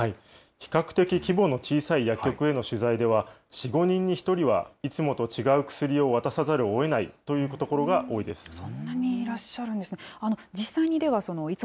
比較的規模の小さい薬局への取材では、４、５人に１人は、いつもと違う薬を渡さざるをえないという所が多いです。